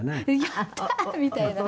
「やったー！みたいな」